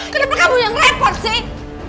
kenapa kamu yang repot sih